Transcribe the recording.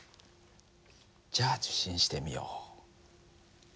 じゃあ受信してみよう。